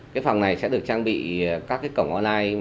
cái phòng này sẽ được trang bị các cái cổng online